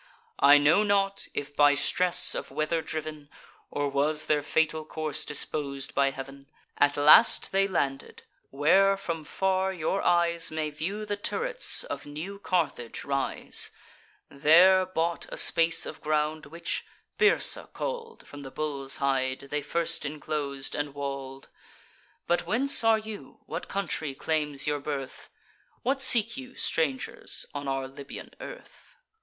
I know not, if by stress of weather driv'n, Or was their fatal course dispos'd by Heav'n; At last they landed, where from far your eyes May view the turrets of new Carthage rise; There bought a space of ground, which Byrsa call'd, From the bull's hide, they first inclos'd, and wall'd. But whence are you? what country claims your birth? What seek you, strangers, on our Libyan earth?"